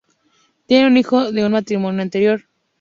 Tiene un hijo de un matrimonio anterior.